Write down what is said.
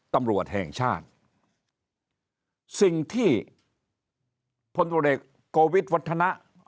ตำรวจแห่งชาติสิ่งที่พลตรวจเอกโกวิทวัฒนะ